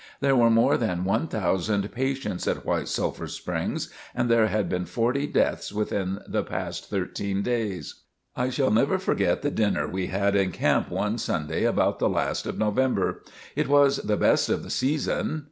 There were more than one thousand patients at White Sulphur Springs and there had been forty deaths within the past thirteen days. I shall never forget the dinner we had in camp one Sunday about the last of November. It was the best of the season.